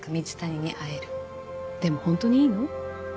でもホントにいいの？